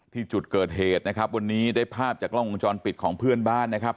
ที่จุดเกิดเหตุนะครับวันนี้ได้ภาพจากกล้องวงจรปิดของเพื่อนบ้านนะครับ